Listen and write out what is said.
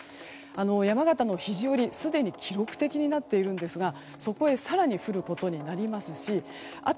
山形の肘折、すでに記録的になっているんですがそこへ更に降ることになりますしあと